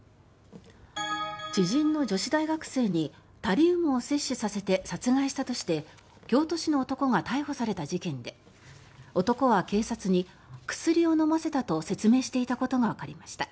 知人の女子大学生にタリウムを摂取させて殺害したとして京都市の男が逮捕された事件で男は警察に、薬を飲ませたと説明していたことがわかりました。